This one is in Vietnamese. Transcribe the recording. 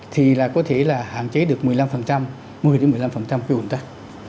thì là có thể là hạn chế được một mươi năm một mươi một mươi năm cái ổn tắc